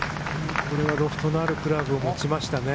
ロフトのあるクラブを持ちましたね。